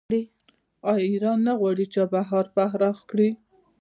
آیا ایران نه غواړي چابهار پراخ کړي؟